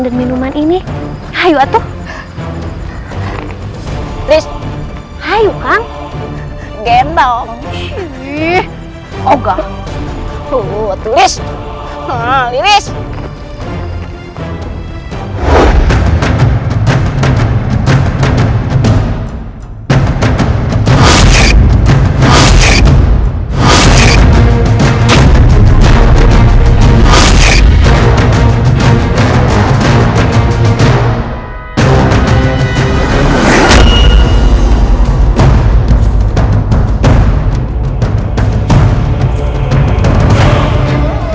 dan minuman ini hayuatuh hai hai uang geng dong iiih oh gak